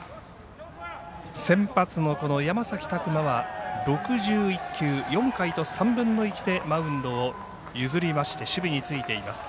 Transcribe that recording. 先発の山崎琢磨は６１球、４回と３分の１でマウンドを譲りまして守備についています。